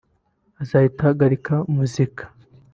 azahita ahagarika muzika